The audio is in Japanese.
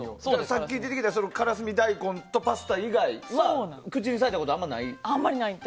さっき出てきたからすみ大根とパスタ以外はあまりない。